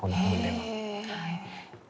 はい。